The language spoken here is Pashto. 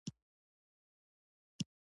سندره د زمانې یو غږ دی